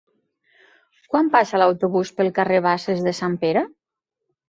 Quan passa l'autobús pel carrer Basses de Sant Pere?